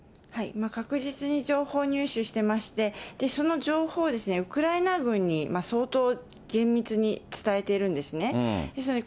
確実に情報入手してまして、その情報をウクライナ軍に相当厳密に伝えているんですね。